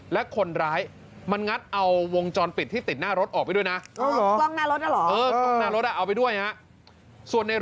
และคนร้ายมันงัดเอาวงจรปิดที่ติดหน้ารถออกไปด้วยนะ